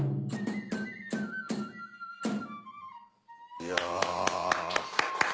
いや！